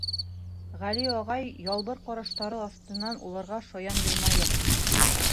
Ғәли ағай, ялбыр ҡаштары аҫтынан уларға шаян йылмайып: